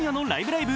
ライブ！」